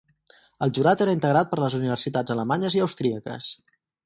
El jurat era integrat per les universitats alemanyes i austríaques.